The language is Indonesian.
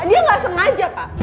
dia gak sengaja pak